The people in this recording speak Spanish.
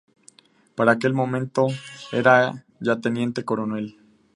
Para aquel momento era ya teniente coronel.